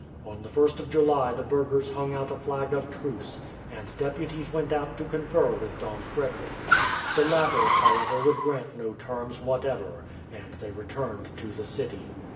On the 1st of July the burghers hung out a flag of truce, and deputies went out to confer with Don Frederick. The latter, however, would grant no terms whatever, and they returned to the city.